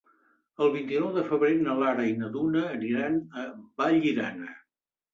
El vint-i-nou de febrer na Lara i na Duna aniran a Vallirana.